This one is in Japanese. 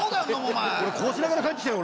俺こうしながら帰ってきたよ